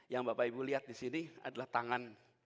yang bapak ibu lihat disini adalah tangan